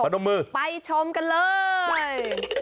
นมมือไปชมกันเลย